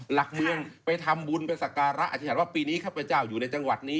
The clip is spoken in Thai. หลักเมืองไปทำบุญไปสักการะอาชญว่าปีนี้ข้าพเจ้าอยู่ในจังหวัดนี้